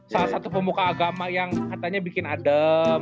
salah satu pemuka agama yang katanya bikin adem